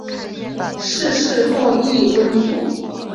逝世后谥文肃。